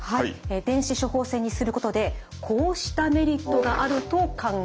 電子処方箋にすることでこうしたメリットがあると考えられています。